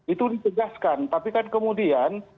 itu ditegaskan tapi kan kemudian